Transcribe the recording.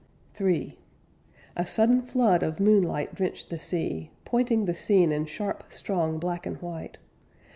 III A sudden flood of moonlight drenched the sea, Pointing the scene in sharp, strong black and white.